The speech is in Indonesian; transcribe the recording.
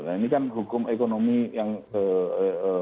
nah ini kan hukum ekonomi yang ee